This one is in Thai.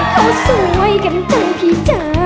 เขาสวยกันจังพี่จ้า